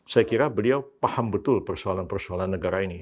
saya kira beliau paham betul persoalan persoalan negara ini